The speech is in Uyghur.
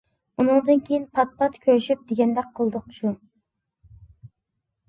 ئۇنىڭدىن كېيىن پات-پات كۆرۈشۈپ دېگەندەك قىلدۇق شۇ.